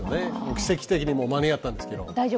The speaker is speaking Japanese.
奇跡的に間に合ったんですけど。